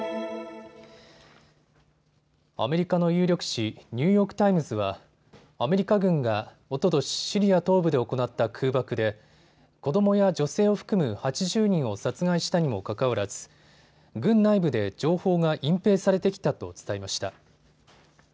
アメリカの有力紙、ニューヨーク・タイムズはアメリカ軍が、おととしシリア東部で行った空爆で子どもや女性を含む８０人を殺害したにもかかわらず軍内部で情報が隠蔽されてきたと伝えました。